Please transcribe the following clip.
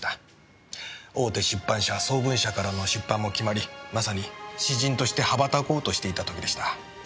大手出版社想文社からの出版も決まりまさに詩人として羽ばたこうとしていたときでした。